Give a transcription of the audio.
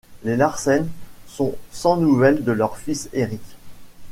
Les Larssen sont sans nouvelles de leur fils Eric.